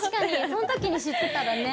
その時に知ってたらね。